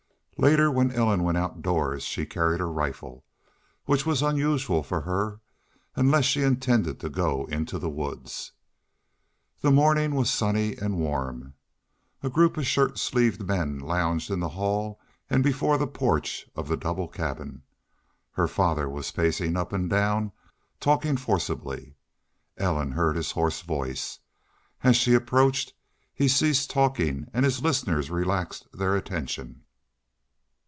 Later when Ellen went outdoors she carried her rifle, which was unusual for her, unless she intended to go into the woods. The morning was sunny and warm. A group of shirt sleeved men lounged in the hall and before the porch of the double cabin. Her father was pacing up and down, talking forcibly. Ellen heard his hoarse voice. As she approached he ceased talking and his listeners relaxed their attention.